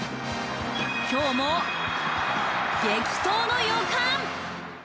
今日も激闘の予感。